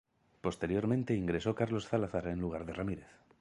Posteriormente ingresó Carlos Zalazar en lugar de Ramírez.